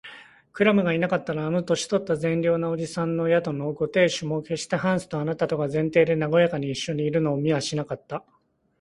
クラムがいなかったら、あの年とった善良な伯父さんの宿のご亭主も、けっしてハンスとあなたとが前庭でなごやかにいっしょにいるのを見はしなかった